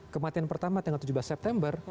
kematian pertama tanggal tujuh belas september